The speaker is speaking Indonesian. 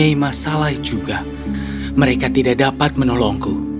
mereka mempunyai masalah juga mereka tidak dapat menolongku